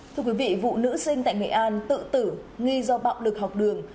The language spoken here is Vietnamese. thưa quý vị vụ nữ sinh tại nghệ an tự tử nghi do bạo lực học đường